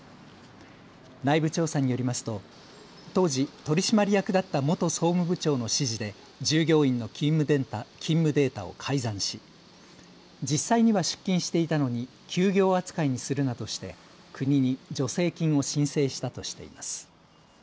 内部調査によりますと当時、取締役だった元総務部長の指示で従業員の勤務データを改ざんし実際には出勤していたのに休業扱いにするなどして国に助成金を申請したとしています。